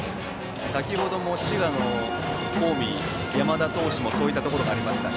先程も滋賀の近江山田投手もそういったところがありました。